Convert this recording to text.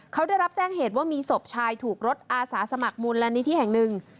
เขาได้รับแจ้งเหตุว่ามีศพชายถูกรถอาสาสมัครมูลนิธิแห่งหนึ่ง